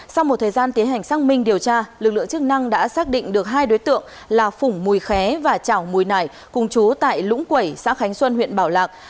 sau một thời gian tiến hành xác minh điều tra lực lượng chức năng đã xác định được hai đối tượng là phùng mùi khé và trảo mùi nải cùng chú tại lũng quẩy xã khánh xuân huyện bảo lạc